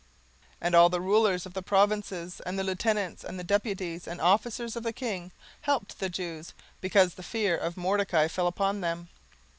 17:009:003 And all the rulers of the provinces, and the lieutenants, and the deputies, and officers of the king, helped the Jews; because the fear of Mordecai fell upon them.